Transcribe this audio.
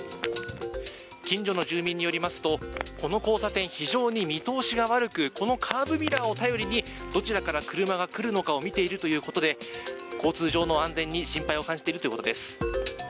近所の住民によりますとこの交差点、非常に見通しが悪くこのカーブミラーを頼りにどちらから車が来るのかを見ているということで交通上の安全に心配をしているということです。